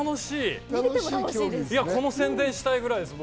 この宣伝をしたいぐらいです僕。